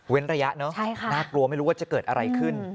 ระยะเนอะน่ากลัวไม่รู้ว่าจะเกิดอะไรขึ้น